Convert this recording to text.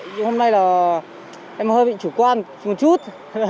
thì hôm nay là em hơi bị chủ quan một chút